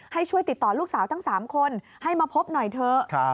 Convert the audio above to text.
ให้ช่วยติดต่อลูกสาวทั้ง๓คนให้มาพบหน่อยเถอะ